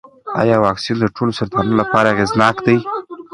ایا واکسین د ټولو سرطانونو لپاره اغېزناک دی؟